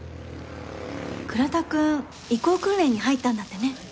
倉田くん移行訓練に入ったんだってね。